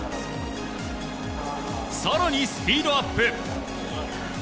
さらにスピードアップ。